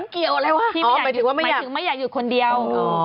มันเกี่ยวอะไรวะหมายถึงไม่อยากหยุดคนเดียว